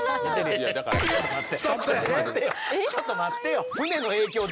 ちょっと待ってよ。